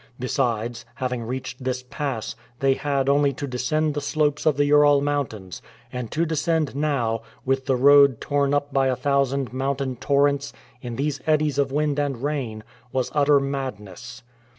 Besides, having reached this pass, they had only to descend the slopes of the Ural Mountains, and to descend now, with the road torn up by a thousand mountain torrents, in these eddies of wind and rain, was utter madness.